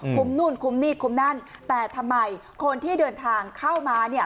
นู่นคุ้มนี่คุ้มนั่นแต่ทำไมคนที่เดินทางเข้ามาเนี่ย